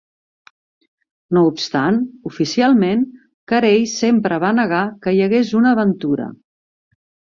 No obstant, oficialment, Caray sembre va negar que hi hagués una aventura.